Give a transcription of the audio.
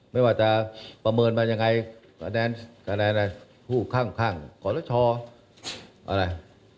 ไม่ว่าจะประเมินมันยังไงคะแดนคะแดนข้างข้างก่อนแล้วช่ออะไร